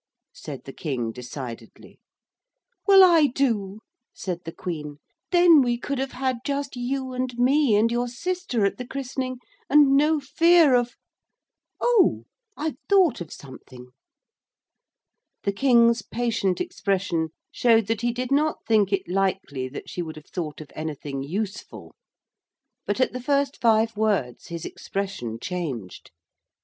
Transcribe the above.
said the King decidedly. 'Well, I do,' said the Queen; 'then we could have had just you and me and your sister at the christening, and no fear of oh! I've thought of something.' The King's patient expression showed that he did not think it likely that she would have thought of anything useful; but at the first five words his expression changed.